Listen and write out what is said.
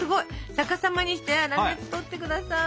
逆さまにして粗熱とってください！